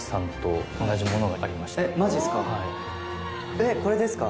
えっこれですか？